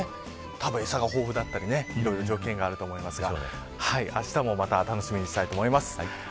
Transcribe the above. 餌が豊富だったりいろいろ条件があると思いますがあしたもまた楽しみにしたいと思います。